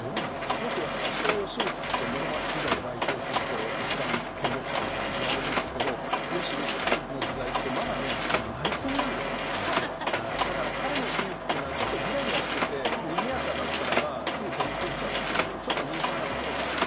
よく足利義満って室町時代を代表する一番権力者みたいにいわれるんですけどだから彼の趣味っていうのはちょっとギラギラしててにぎやかだったらばすぐ飛びついちゃうっていうちょっとミーハーなところがあって。